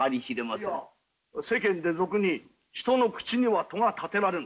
いや世間で俗に人の口には戸が立てられぬ。